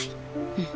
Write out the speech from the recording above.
うん。